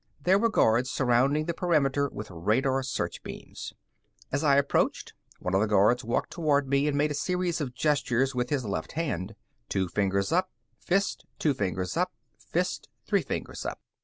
There were guards surrounding the perimeter with radar search beams. As I approached, one of the guards walked toward me and made a series of gestures with his left hand two fingers up, fist, two fingers up, fist, three fingers up.